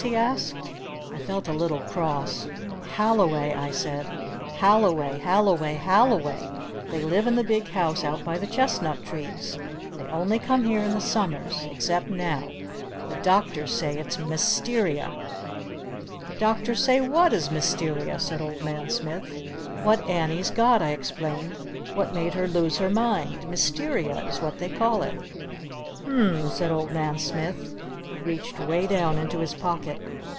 he asked. I felt a little cross. "Halliway!" I said. "Halliway Halliway Halliway! They live in the big house out by the Chestnut Trees! They only come here in the Summers! Except now! The Doctors say it's Mysteria!" "The Doctors say what is Mysteria?" said Old Man Smith. "What Annie's got!" I explained. "What made her lose her mind! Mysteria is what they call it." "U m m," said Old Man Smith. He reached way down into his pocket.